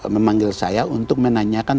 memanggil saya untuk menanyakan